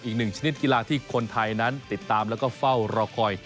อีกหนึ่งชนิดกีฬาที่คนไทยนั้นติดตามแล้วก็เฝ้ารอคอย